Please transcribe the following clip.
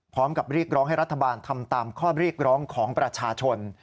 พร้อมกับเรียกร้องให้รัฐบาลทำตามข้อเรียกร้องของประชาชน